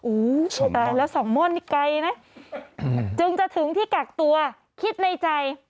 ตายแล้วสองม่อนนี่ไกลนะจึงจะถึงที่กักตัวคิดในใจ